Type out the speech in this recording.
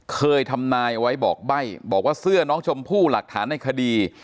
เคยทำนายไว้บอกใบ้บอกว่าเสื้อน้องชมพู่หลักฐานในคดี